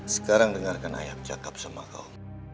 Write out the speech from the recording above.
sekarang dengarkan ayah bercakap sama kau